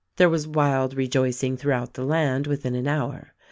There was wild rejoicing throughout the land within an hour.